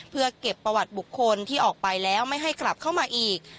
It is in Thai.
เพื่อเก็บประวัติบุคคลที่ออกไปแล้วไม่ให้กลับเข้ามาอีก